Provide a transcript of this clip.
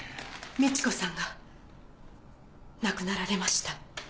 美智子さんが亡くなられました。